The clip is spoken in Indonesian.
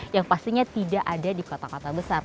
yang pastinya tidak ada di kota kota besar